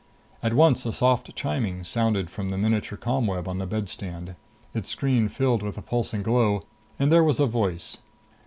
At once a soft chiming sounded from the miniature ComWeb on the bedstand. Its screen filled with a pulsing glow, and there was a voice.